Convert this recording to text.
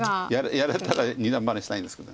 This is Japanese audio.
やれたら二段バネしたいんですけど。